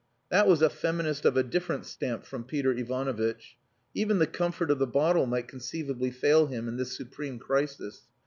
That was a feminist of a different stamp from Peter Ivanovitch. Even the comfort of the bottle might conceivably fail him in this supreme crisis.